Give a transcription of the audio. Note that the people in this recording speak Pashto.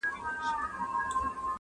• یو ناڅاپه یو ماشوم راغی له پاسه -